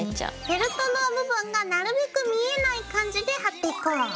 フェルトの部分がなるべく見えない感じで貼っていこう。